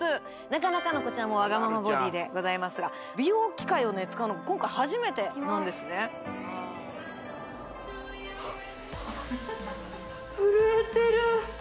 なかなかのこちらもわがままボディーでございますが美容機械をね使うのが今回初めてなんですねはっ！